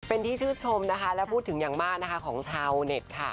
เป็นที่ชื่นชมนะคะและพูดถึงอย่างมากนะคะของชาวเน็ตค่ะ